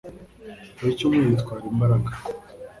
buri cyumweru itwara imbaraga